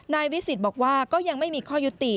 วิสิตบอกว่าก็ยังไม่มีข้อยุติ